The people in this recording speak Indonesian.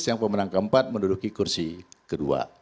yang pemenang keempat menduduki kursi kedua